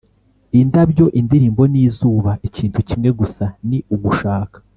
"indabyo, indirimbo n'izuba, ikintu kimwe gusa ni ugushaka,